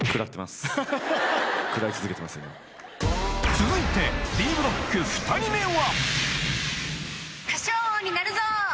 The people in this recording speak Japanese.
続いてＤブロック２人目は？